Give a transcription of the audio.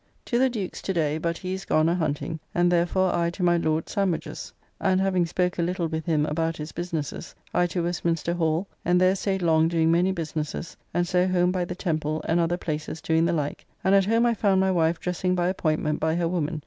To the Duke's to day, but he is gone a hunting, and therefore I to my Lord Sandwich's, and having spoke a little with him about his businesses, I to Westminster Hall and there staid long doing many businesses, and so home by the Temple and other places doing the like, and at home I found my wife dressing by appointment by her woman [Mrs. Gosnell.